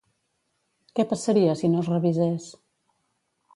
Què passaria si no es revisés?